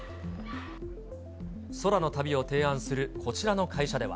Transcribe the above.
空の旅を提案するこちらの会社では。